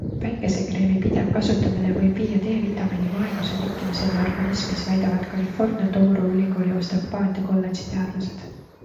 Päikesekreemi pidev kasutamine võib viia D-vitamiini vaeguse tekkimiseni organismis, väidavad Kalifornia Touro Ülikooli Osteopaatia kolldeži teadlased.